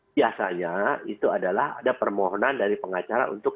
biasanya itu adalah ada permohonan dari pengacara untuk